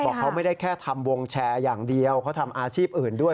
เขาไม่ได้แค่ทำวงแชร์อย่างเดียวเขาทำอาชีพอื่นด้วย